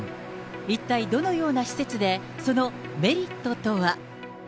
一体どのような施設で、そのメリットとは。